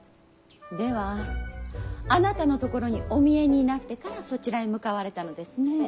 ではあなたのところにお見えになってからそちらへ向かわれたのですね。